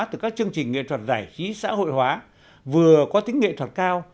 từ các chương trình nghệ thuật giải trí xã hội hóa vừa có tính nghệ thuật cao